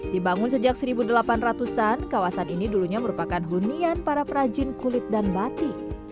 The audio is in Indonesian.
dibangun sejak seribu delapan ratus an kawasan ini dulunya merupakan hunian para perajin kulit dan batik